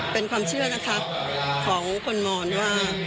เป็นความเชื่อนะคะของคนมอนว่า